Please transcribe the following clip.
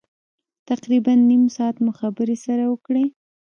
تقریبا نیم ساعت مو خبرې سره وکړې.